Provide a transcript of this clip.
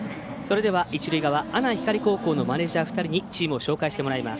一塁側阿南光高校のマネージャー２人にチームを紹介してもらいます。